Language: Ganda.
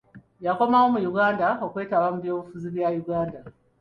Yakomawo mu Uganda okwetaba mu byobufuzi bya Uganda